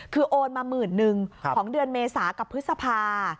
คือโอนมา๑๑๐๐๐บาทของเดือนเมษากับพฤษภา